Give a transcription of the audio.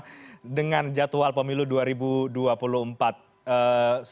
semoga kang saan pemerintah dpr juga kpu dan pak ilham ini segera menyepakati